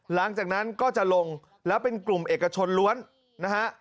หลังจากนั้นก็จะลงแล้วเป็นกลุ่มเอกชนล้วนนะฮะ